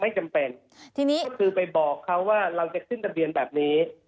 จำเป็นทีนี้ก็คือไปบอกเขาว่าเราจะขึ้นทะเบียนแบบนี้